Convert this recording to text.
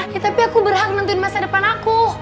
ya tapi aku berhak nentuin masa depan aku